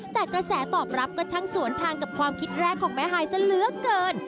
แต่กระแสตอบรับก็ช่างสวนทางกับความคิดแรกของแม่ฮายซะเหลือเกิน